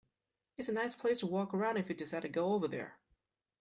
It's a nice place to walk around if you decide to go over there.